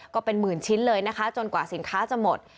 ก็เป็นหมื่นชิ้นเลยจนกว่าสามารถสินค้าจะหมด